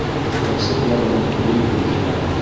Бөркәнсек ябынып бейегем килә.